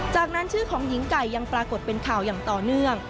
จากนั้นชื่อของหญิงไก่ยังปรากฏเป็นข่าวอย่างต่อเนื่อง